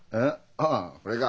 ああこれか？